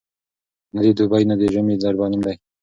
نه دي دوبی نه دي ژمی در معلوم دی